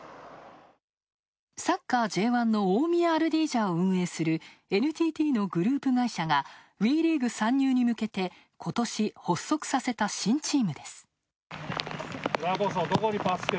サッカーＪ１の大宮アルディージャを運営するＮＴＴのグループ会社がＷＥリーグ参入に向けてことし、発足させた新チームです。